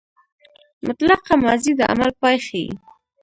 مطلقه ماضي د عمل پای ښيي.